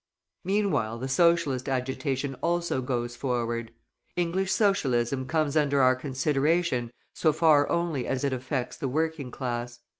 Meanwhile the socialist agitation also goes forward. English Socialism comes under our consideration so far only as it affects the working class.